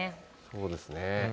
そうですね